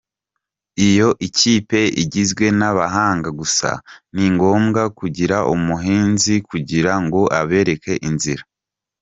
Iyo ikipe igizwe n’abahanga gusa, ni ngombwa kugira umuhinzi kugira ngo abereke inzira.